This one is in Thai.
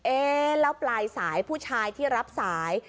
เอ๊ะแล้วปลายสายผู้ชายที่รับสาย